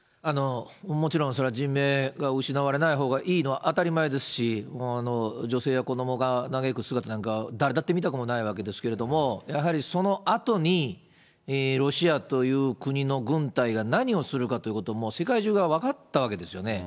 もちろんそれは人命が失われないほうがいいのは当たり前ですし、女性や子どもが嘆く姿なんか、誰だって見たくもないわけですけれども、やはりそのあとに、ロシアという国の軍隊が何をするかということも、世界中が分かったわけですよね。